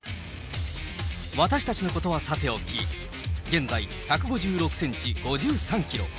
私たちのことはさておき、現在、１５６センチ、５３キロ。